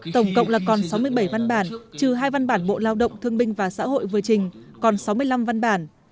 tổng cộng là còn sáu mươi bảy văn bản trừ hai văn bản bộ lao động thương binh và xã hội vừa trình còn sáu mươi năm văn bản